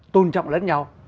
tôn trọng lẫn nhau